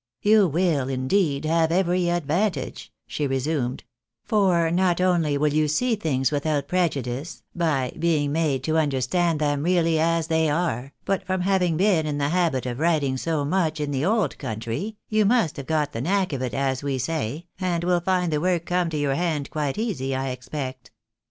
" You will, indeed, have every advantage," she resumed, " for not only wiU you see things without prejudice by being made to understand them really as they are, but from having been in the habit of writing so much iu the old country you must have got the knack of it, as we say, and will find the work come to your hand quite easy, I expect."